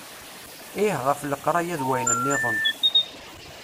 Ih ɣef leqraya d wayen-nniḍen.